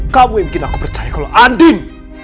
kamu yang bikin aku percaya kalau andim